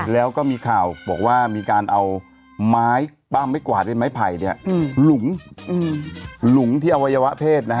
แล้วก็มีข่าวบอกว่ามีการเอาไม้ปั้มไม้กวาดเป็นไม้ไผ่หลุมหลุมที่อวัยวะเพศนะฮะ